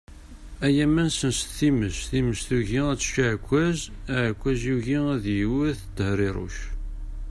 Ay aman senset times, times tugi ad tečč aɛekkaz, aɛekkaz yugi ad iwwet Tehriruc.